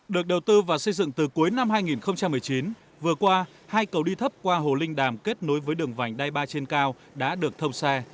được đầu tư và xây dựng từ cuối năm hai nghìn một mươi chín vừa qua hai cầu đi thấp qua hồ linh đàm kết nối với đường vành đai ba trên cao đã được thông xe